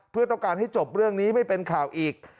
เพื่อต้องการให้จบเรื่องนี้ไม่เป็นข่าวอีก